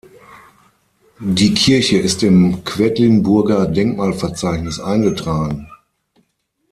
Die Kirche ist im Quedlinburger Denkmalverzeichnis eingetragen.